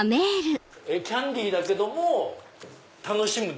キャンディーだけども楽しむ。